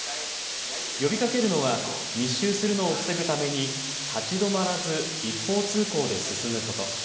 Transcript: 呼びかけるのは密集するのを防ぐために立ち止まらず一方通行で進むこと。